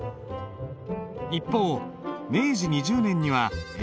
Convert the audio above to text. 一方明治２０年には鉛筆。